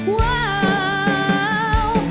ว้าว